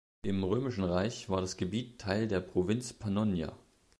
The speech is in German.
Im Römischen Reich war das Gebiet Teil der Provinz Pannonia.